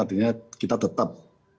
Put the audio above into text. artinya kita tetap